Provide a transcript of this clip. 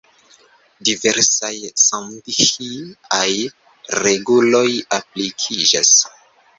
Diversaj sandhi-aj reguloj aplikiĝas.